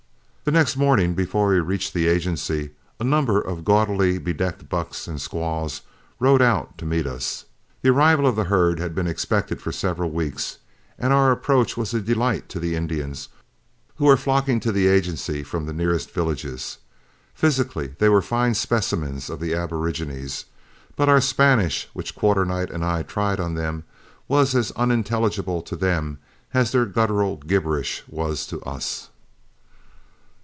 The next morning, before we reached the agency, a number of gaudily bedecked bucks and squaws rode out to meet us. The arrival of the herd had been expected for several weeks, and our approach was a delight to the Indians, who were flocking to the agency from the nearest villages. Physically, they were fine specimens of the aborigines. But our Spanish, which Quarternight and I tried on them, was as unintelligible to them as their guttural gibberish was to us.